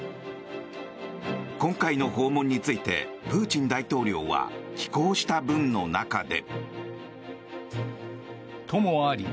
今回の訪問についてプーチン大統領は寄稿した文の中で。